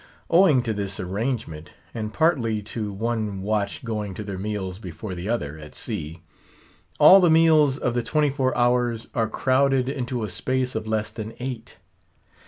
Owing to this arrangement (and partly to one watch going to their meals before the other, at sea), all the meals of the twenty four hours are crowded into a space of less than eight!